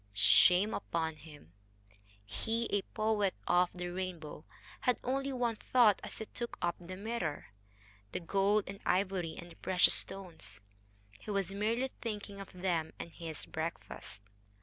Shame upon him! he, a poet of the rainbow, had only one thought as he took up the mirror the gold and ivory and the precious stones. He was merely thinking of them and his breakfast.